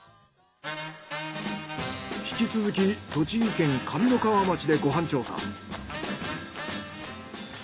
引き続き栃木県上三川町でご飯調査。